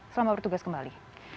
selamat bertugas kembali